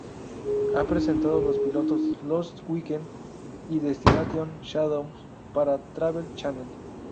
Ha presentado los pilotos "Lost Weekend" y "Destination Showdown" para Travel Channel.